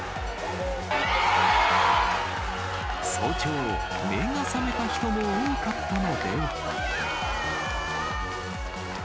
早朝、目が覚めた人も多かったのでは。